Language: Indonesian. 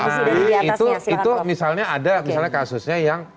ya tetapi itu misalnya ada misalnya kasusnya yang